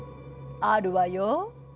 あるわよ。